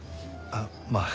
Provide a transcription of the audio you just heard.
あっまあ。